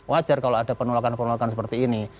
wajar kalau ada penolakan penolakan seperti ini